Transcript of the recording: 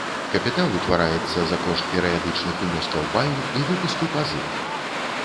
Капітал утвараецца за кошт перыядычных унёскаў, паю і выпуску пазык.